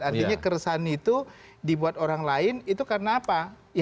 artinya keresahan itu dibuat orang lain itu karena apa